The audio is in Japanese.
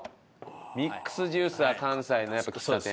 ミックスジュースは関西のやっぱ喫茶店。